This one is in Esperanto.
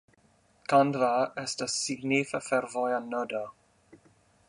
Kandva estas signifa fervoja nodo.